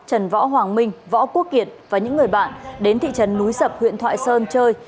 trần võ hoàng minh võ quốc kiệt và những người bạn đến thị trấn núi sập huyện thoại sơn chơi